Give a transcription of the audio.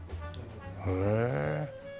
へえ。